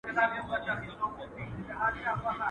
یو دی ښه وي نور له هر چا ګیله من وي ..